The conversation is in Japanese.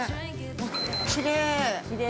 ◆きれい。